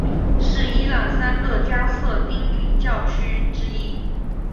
是伊朗三个加色丁礼教区之一。